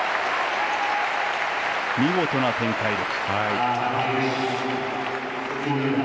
見事な展開です。